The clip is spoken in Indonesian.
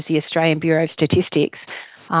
yaitu bureau statistik australia